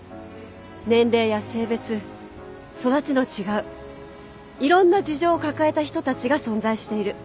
年齢や性別育ちの違ういろんな事情を抱えた人たちが存在している。